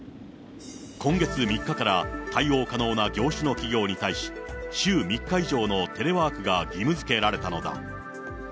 今月３日から対応可能な業種の企業に対し、週３日以上のテレワークが義務づけられたのだ。